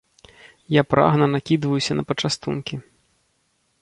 Я прагна накідваюся на пачастункі.